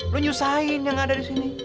lu nyusahin yang ada disini